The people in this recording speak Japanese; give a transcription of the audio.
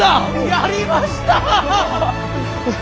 やりましたぁ！